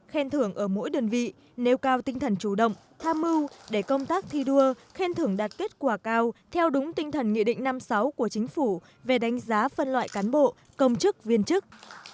khen thưởng ở mỗi đơn vị nêu cao tinh thần chủ động tham mưu để công tác thi đua khen thưởng đạt kết quả cao theo đúng tinh thần nghị định năm sáu của chính phủ về đánh giá phân loại cán bộ công chức viên chức